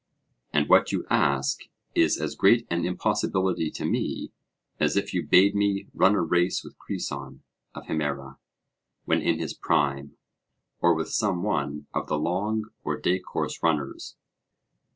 And what you ask is as great an impossibility to me, as if you bade me run a race with Crison of Himera, when in his prime, or with some one of the long or day course runners.